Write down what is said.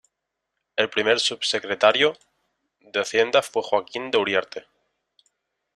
El primer subsecretario de Hacienda fue Joaquín de Uriarte..